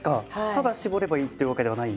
ただ絞ればいいってわけではない？